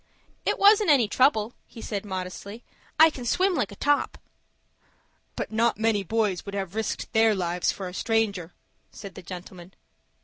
"It wasn't any trouble," he said, modestly. "I can swim like a top." "But not many boys would have risked their lives for a stranger," said the gentleman.